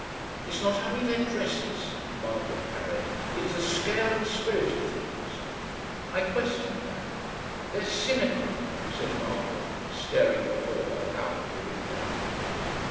"It's not only their dresses," Margaret parried. "It's the scale and spirit of things." I questioned that. "They're cynical," said Margaret, staring before her out of the window.